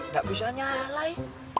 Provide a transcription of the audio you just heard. gak bisa nyalai